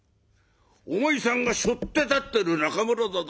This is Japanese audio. お前さんがしょって立ってる中村座だ。